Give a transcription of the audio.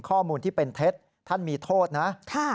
ข้อมูลที่เป็นเท็จท่านมีโทษนะ